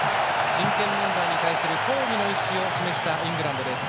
人権問題に対する抗議の意思を示したイングランドです。